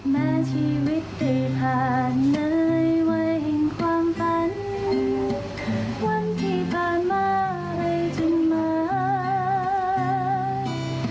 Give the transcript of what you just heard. แม้ชีวิตที่ผ่านเหนื่อยไว้เห็นความฝันวันที่ผ่านมาอะไรจนหมาย